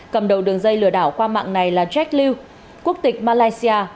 cầm đầu đường dây lừa đảo qua mạng này là jack lew quốc tịch malaysia